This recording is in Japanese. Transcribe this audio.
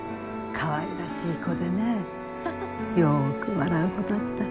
かわいらしい子でねよく笑う子だった。